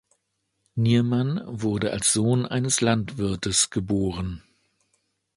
Niermann wurde als Sohn eines Landwirtes geboren.